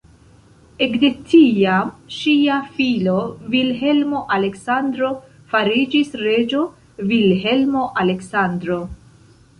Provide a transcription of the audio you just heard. Ekde tiam ŝia filo Vilhelmo-Aleksandro fariĝis reĝo Vilhelmo-Aleksandro.